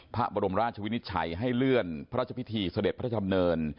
พระบรมราชวินิจฉัยให้เลื่อนพระราชพิธีเสด็จพระดำเนิน